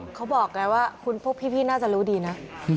เขาบอกเขาบอกแกว่าคุณพวกพี่พี่น่าจะรู้ดีนะ